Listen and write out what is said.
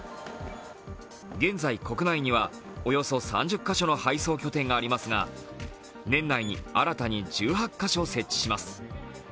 現在、国内にはおよそ３０カ所の配送拠点がありますが年内に新たに１８カ所設置します。